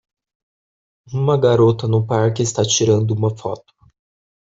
Uma garota no parque está tirando uma foto.